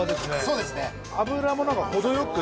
そうですね